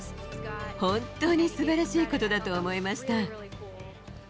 本当にすばらしいことだと思いました。